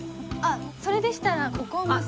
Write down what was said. それでしたらここを真っすぐ。